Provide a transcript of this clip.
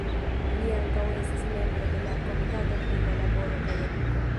Li ankaŭ estas membro de la Komitato pri La Laboro kaj Eduko.